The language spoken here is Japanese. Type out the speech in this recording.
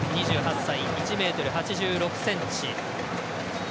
２８歳、１８６ｃｍ。